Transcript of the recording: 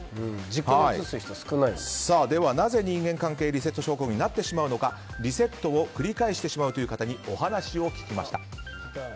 なぜ人間関係リセット症候群になってしまうのかリセットを繰り返してしまうという方にお話を聞きました。